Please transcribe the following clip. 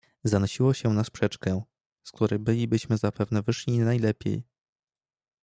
"Zanosiło się na sprzeczkę, z której bylibyśmy zapewne wyszli nie najlepiej."